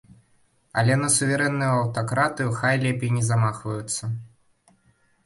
Але на суверэнную аўтакратыю хай лепей не замахваюцца.